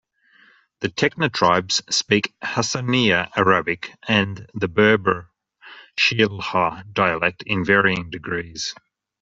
The Tekna tribes speak Hassaniya Arabic and the Berber Shilha dialect in varying degrees.